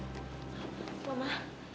dia bukan mira